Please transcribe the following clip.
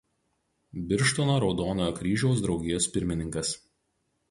Birštono Raudonojo Kryžiaus draugijos pirmininkas.